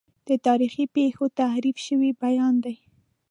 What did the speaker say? د تاریخي پیښو تحریف شوی بیان دی.